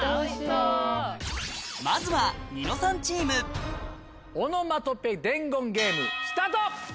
まずはニノさんチームオノマトペ伝言ゲーム。